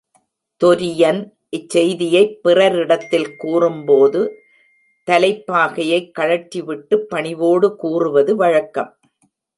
தொரியன் இச் செய்தியைப் பிறரிடத்தில் கூறும்போது, தலைப்பாகையைக் கழற்றிவிட்டுப் பணிவோடு கூறுவது வழக்கம்.